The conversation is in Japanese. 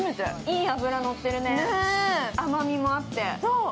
いい脂がのってるね、甘みもあって。